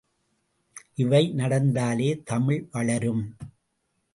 இவை நடந்தாலே தமிழ் வளரும்.